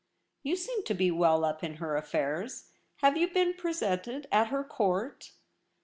' You seem to be well up in her affairs. Have you been presented at her court